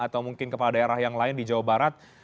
atau mungkin kepala daerah yang lain di jawa barat